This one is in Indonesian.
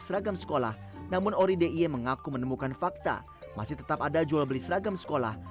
seragam sekolah namun ori d i e mengaku menemukan fakta masih tetap ada jual beli seragam sekolah